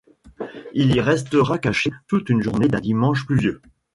Il y restera caché toute une journée d'un dimanche pluvieux.